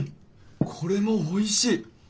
これもおいしい！